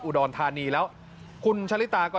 อุดรธานีแล้วคุณชะลิตาก็